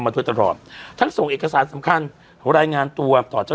มาโดยตลอดทั้งส่งเอกสารสำคัญรายงานตัวต่อเจ้า